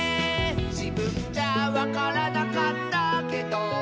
「じぶんじゃわからなかったけど」